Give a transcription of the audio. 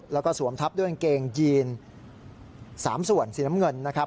แล้วก็สวมทับด้วยกางเกงยีน๓ส่วนสีน้ำเงินนะครับ